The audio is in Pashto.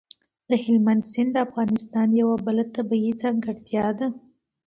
هلمند سیند د افغانستان یوه بله طبیعي ځانګړتیا ده.